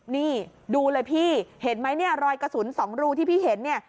นี่ดูเลยพี่เห็นไหมเนี่ยรอยกระสุน๒รูที่พี่เห็นเนี่ย